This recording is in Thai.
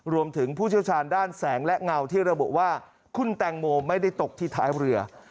ผู้เชี่ยวชาญด้านแสงและเงาที่ระบุว่าคุณแตงโมไม่ได้ตกที่ท้ายเรือ